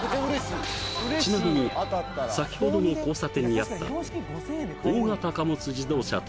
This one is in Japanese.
ちなみに先ほどの交差点にあった大型貨物自動車等